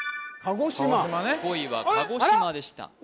５位は鹿児島でしたあれ？